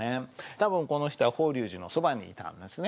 多分この人は法隆寺のそばにいたんですね。